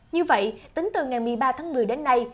như vậy tính từ một mươi ba một mươi đến nay